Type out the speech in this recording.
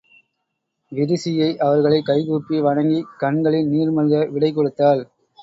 விரிசிகை அவர்களைக் கைகூப்பி வணங்கிக் கண்களில் நீர்மல்க விடை கொடுத்தாள்.